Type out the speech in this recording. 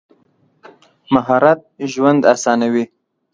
مهارت ژوند اسانوي.